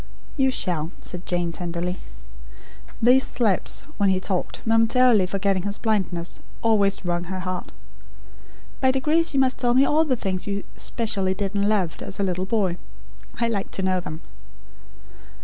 "You shall," said Jane, tenderly. These slips when he talked, momentarily forgetting his blindness, always wrung her heart. "By degrees you must tell me all the things you specially did and loved, as a little boy. I like to know them.